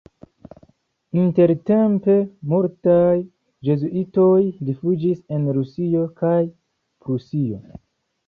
Intertempe multaj jezuitoj rifuĝis en Rusio kaj Prusio.